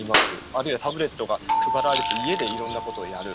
あるいはタブレットが配られて家でいろんなことをやる。